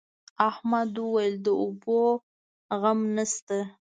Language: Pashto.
احمد وويل: د اوبو غم نشته.